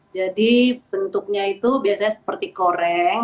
jadi bentuknya itu biasanya seperti goreng